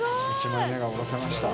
１枚目がおろせました。